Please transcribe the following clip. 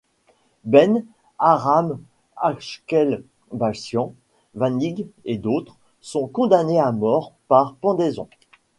Benne, Aram Achekbashian, Vanig et d'autres, sont condamnés à mort par pendaison.